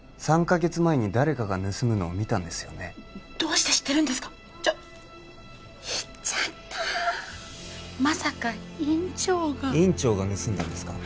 ３ヵ月前に誰かが盗むのを見たどうして知ってるんですか言っちゃったまさか院長が院長が盗んだんですか？